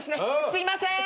すいませーん。